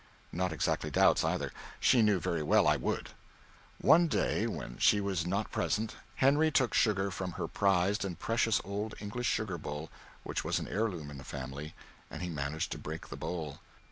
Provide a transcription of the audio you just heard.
Not exactly doubts, either. She knew very well I would. One day when she was not present, Henry took sugar from her prized and precious old English sugar bowl, which was an heirloom in the family and he managed to break the bowl.